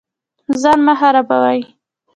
ځان مه خرابوئ